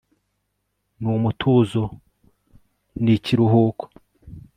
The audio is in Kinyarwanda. Nu mutuzo ni kiruhuko